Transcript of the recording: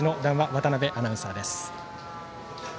渡辺アナウンサーです。